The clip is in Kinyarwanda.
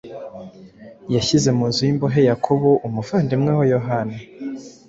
Yashyize mu nzu y’imbohe Yakobo umuvandimwe wa Yohana,